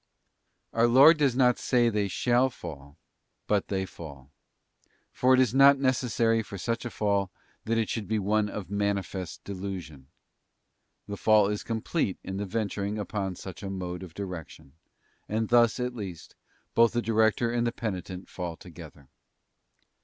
* Our Lord does not say they shall fall, but they fall: for it is not necessary for such a fall that it should be one of mani fest. delusion; the fall is complete in the venturing upon such a mode of direction, and thus, at least, both the director and the penitent fall together.